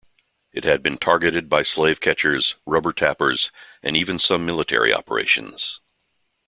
It had been targeted by slave catchers, rubber tappers, and even some military operations.